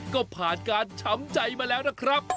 ก็ผ่านการช้ำใจมาแล้วนะครับ